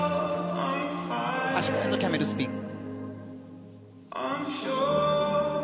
足換えのキャメルスピン。